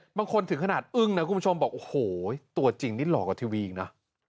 ถึงขนาดอึ้งนะคุณผู้ชมบอกโอ้โหตัวจริงนี่หล่อกว่าทีวีอีกนะ